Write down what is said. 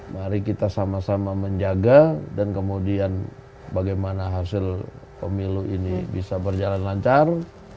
mari kita sama sama menjaga dan kemudian bagaimana hasil pemilu ini bisa berjalan lancar